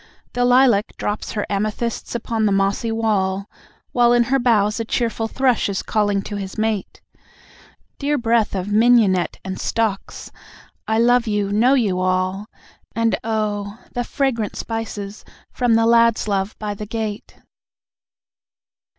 The lilac drops her amethysts upon the mossy wall, While in her boughs a cheerful thrush is calling to his mate. Dear breath of mignonette and stocks! I love you, know you all. And, oh, the fragrant spices from the lad's love by the gate!